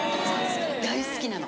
大好きなの。